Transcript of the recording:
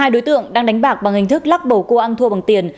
một mươi hai đối tượng đang đánh bạc bằng hình thức lắc bầu cua ăn thua bằng tiền